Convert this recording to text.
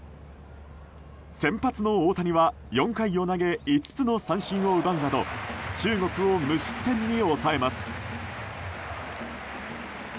先発の大谷は４回を投げ５つの三振を奪うなど中国を無失点に抑えます。